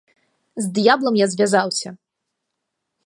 З д'яблам я звязаўся!